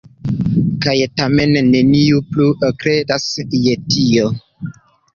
Kaj tamen neniu plu kredas je tio.